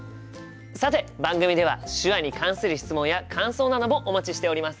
さて番組では手話に関する質問や感想などもお待ちしております。